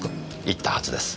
言ったはずです。